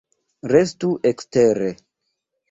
Restu ekstere!